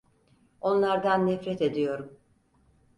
Onlardan nefret ediyorum.